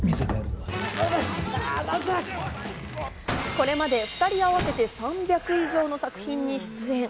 これまで２人合わせて３００以上の作品に出演。